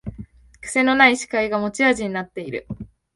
くせのない司会が持ち味になってる